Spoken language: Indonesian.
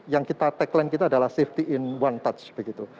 yang kita tagline kita adalah safety in one touch begitu